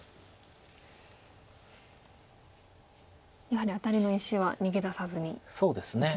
やはりアタリの石は逃げ出さずに。